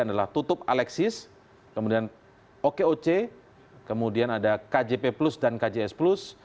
adalah tutup alexis kemudian okoc kemudian ada kjp plus dan kjs plus